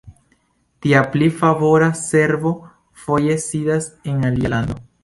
Tia pli favora servo foje sidas en alia lando.